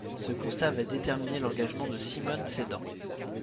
Ce constat va déterminer l'engagement de Simone Sédan.